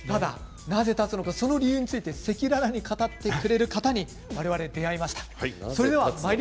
なぜ立つのか、その理由を赤裸々に語ってくれる方に出会いました。